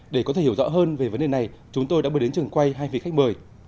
để có thể hiểu rõ hơn về vấn đề này chúng tôi đã mời đến trường quay hai vị khách mời